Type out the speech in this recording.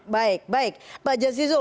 baik baik pak jazizul